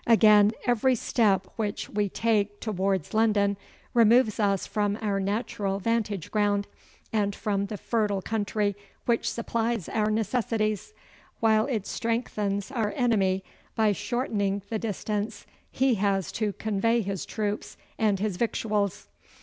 Again, every step which we take towards London removes us from our natural vantage ground, and from the fertile country which supplies our necessities, while it strengthens our enemy by shortening the distance he has to convey his troops and his victuals.